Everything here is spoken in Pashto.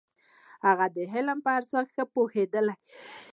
هغوی د علم په ارزښت ښه پوهېدل.